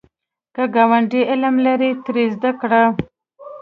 که ګاونډی علم لري، ترې زده کړه